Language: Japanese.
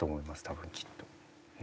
多分きっと。